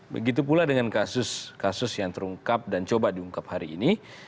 begitu pula dengan kasus kasus yang terungkap dan coba diungkap hari ini